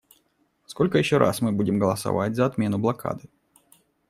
Сколько еще раз мы будем голосовать за отмену блокады?